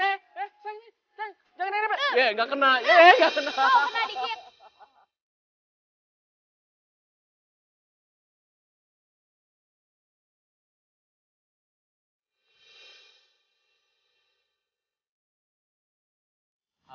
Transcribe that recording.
eh eh eh jangan enggak kena enggak kena hahaha